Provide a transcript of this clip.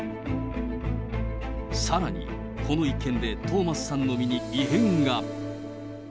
さらに、この一件でトーマスさんの身に異変が。